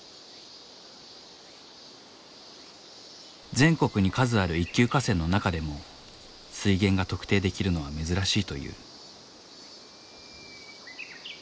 全国に数ある一級河川の中でも水源が特定できるのは珍しいという。